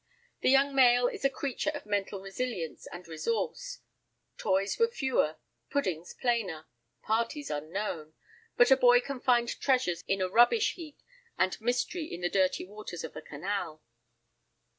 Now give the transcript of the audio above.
The young male is a creature of mental resilience and resource. Toys were fewer, puddings plainer, parties unknown. But a boy can find treasures in a rubbish heap and mystery in the dirty waters of a canal.